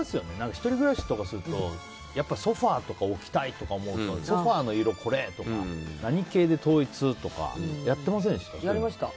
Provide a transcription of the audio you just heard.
１人暮らしとかするとソファとか置きたいとか思うとソファの色、これ！とか何系で統一とかやりました。